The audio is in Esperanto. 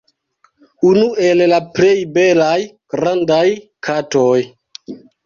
Unu el la plej belaj grandaj katoj.